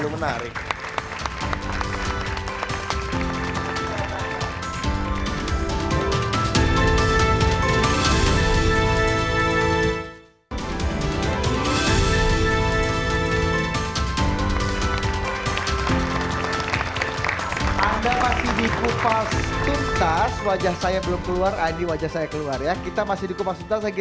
memang budi selalu menarik